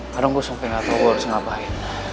kadang gue sampai gak tau gue harus ngapain